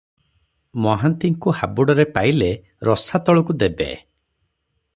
ମହାନ୍ତିଙ୍କୁ ହାବୁଡ଼ରେ ପାଇଲେ ରସାତଳକୁ ଦେବେ ।